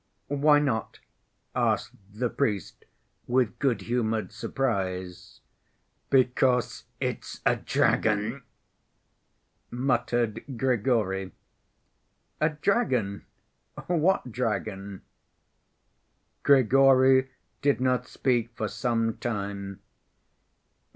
"Why not?" asked the priest with good‐humored surprise. "Because it's a dragon," muttered Grigory. "A dragon? What dragon?" Grigory did not speak for some time.